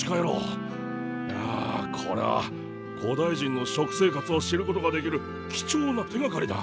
いやこれは古代人の食生活を知ることができる貴重な手がかりだ。